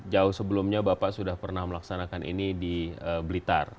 jauh sebelumnya bapak sudah pernah melaksanakan ini di blitar